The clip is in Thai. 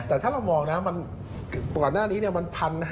แต่ถ้าเรามองนะก่อนหน้านี้มัน๑๕๐